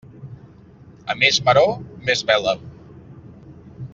A més maror, més vela.